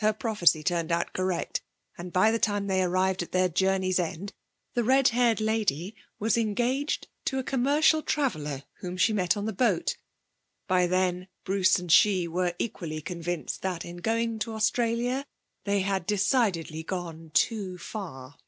Her prophecy turned out correct, and by the time they arrived at their journey's end the red haired lady was engaged to a commercial traveller whom she met on the boat. By then Bruce and she were equally convinced that in going to Australia they had decidedly gone too far.